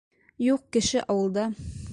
Юҡ кеше ауылда.